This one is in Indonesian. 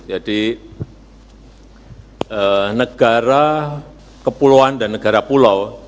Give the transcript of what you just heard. jadi negara kepulauan dan negara pulau